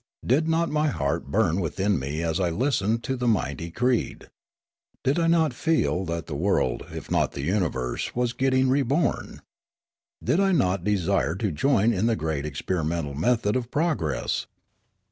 Did not my heart burn within me as I lis tened to the mighty creed ? Did not I feel that the world, if not the universe, was getting reborn ? Did I not desire to join in the great experimental method of progress